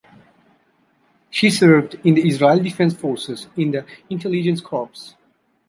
She served in the Israel Defense Forces in the Intelligence Corps.